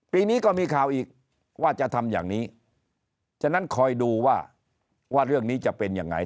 ปีนี้ก็มีข่าวอีกว่าจะทำอย่างนี้ฉะนั้นคอยดูว่าว่าเรื่องนี้จะเป็นยังไง